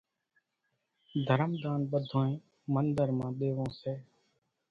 ڌرم ۮان ٻڌونئين منۮر مان ۮيوون سي۔